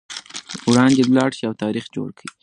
وړاندې لاړ شئ او تاریخ جوړ کړئ.